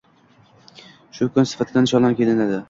Shu kun sifatida nishonlab kelinadi.